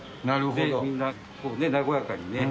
みんな、こうね、和やかにね。